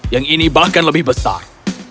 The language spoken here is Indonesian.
yang ini bahkan lebih besar